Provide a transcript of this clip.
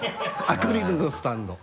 アクリルのスタンド。